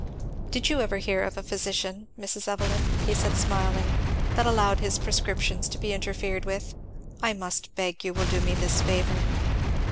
"Did you ever hear of a physician, Mrs. Evelyn," he said smiling, "that allowed his prescriptions to be interfered with? I must beg you will do me this favour."